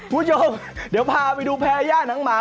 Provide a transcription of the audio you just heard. คุณโยคเดี๋ยวพาไปดูแพร่ญาติหนังหมา